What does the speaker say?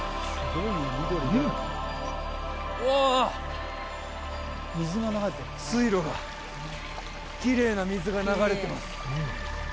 うわっ水路がきれいな水が流れてます